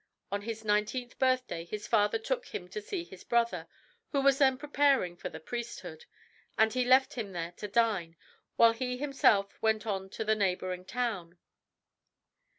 On his nineteenth birthday his father took him to see his brother, who was then preparing for the priesthood, and he left him there to dine, while he himself went on to the neighbouring town.